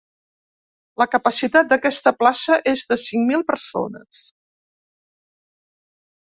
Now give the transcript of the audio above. La capacitat d’aquesta plaça és de cinc mil persones.